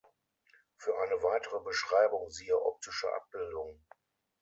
Für eine weitere Beschreibung siehe optische Abbildung.